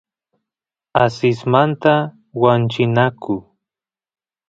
asismanta wanchinaku